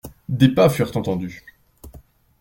Des pas furent entendus.